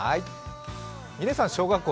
嶺さん、小学校